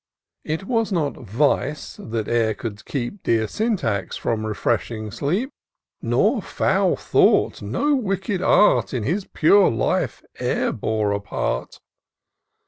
It was not Vice that e'er could keep Dear Syntax from refreshing sleep ; For no foul thought, no wicked art. In his pure life e'er bore a part.